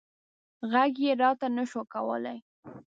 غږ یې راته نه شو کولی.